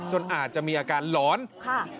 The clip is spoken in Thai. อาจจะมีอาการหลอนค่ะ